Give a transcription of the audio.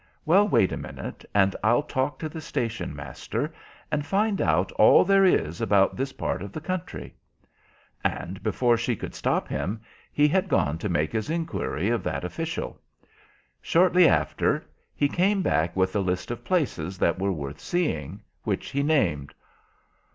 Well, wait a minute, and I'll talk to the station master, and find out all there is about this part of the country." And before she could stop him, he had gone to make his inquiry of that official. Shortly after he came back with a list of places that were worth seeing, which he named.